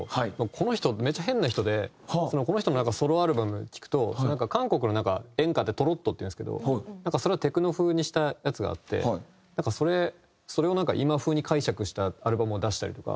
この人めっちゃ変な人でこの人のソロアルバム聴くと韓国の演歌でトロットっていうんですけどそれをテクノ風にしたやつがあってそれをなんか今風に解釈したアルバムを出したりとか。